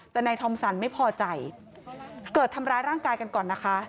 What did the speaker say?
แต่นายทอมสันไม่พอใจเกิดทำร้ายร่างกายกันก่อนนะคะ